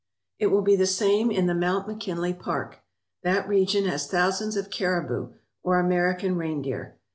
It will be the same in the Mount McKinley Park. That region has thousands of caribou, or American reindeer.